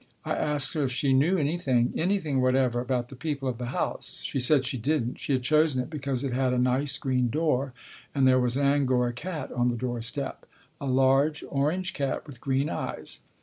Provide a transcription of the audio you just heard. I asked her if she knew anything, anything whatever, about the people of the house ? She said she didn't. She had chosen it because it had a nice green door, and there was an Angora cat on the door step. A large orange cat with green eyes.